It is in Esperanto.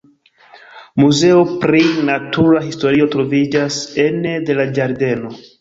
Muzeo pri natura historio troviĝas ene de la ĝardeno.